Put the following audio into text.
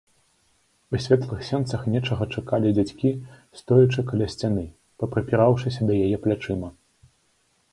У светлых сенцах нечага чакалі дзядзькі, стоячы каля сцяны, папрыпіраўшыся да яе плячыма.